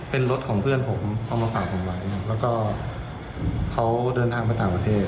เป็นรถของเพื่อนผมเอามาฝากผมไว้แล้วก็เขาเดินทางไปต่างประเทศ